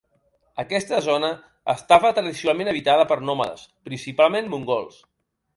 Aquesta zona estava tradicionalment habitada per nòmades principalment mongols.